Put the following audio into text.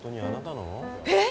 えっ！？